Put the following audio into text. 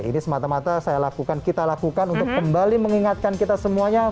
ini semata mata saya lakukan kita lakukan untuk kembali mengingatkan kita semuanya